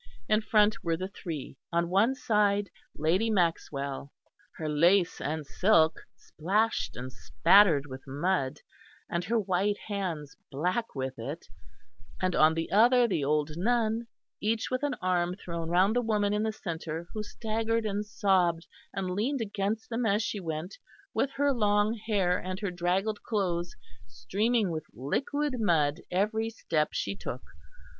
In front went the three, on one side Lady Maxwell, her lace and silk splashed and spattered with mud, and her white hands black with it, and on the other the old nun, each with an arm thrown round the woman in the centre who staggered and sobbed and leaned against them as she went, with her long hair and her draggled clothes streaming with liquid mud every step she took.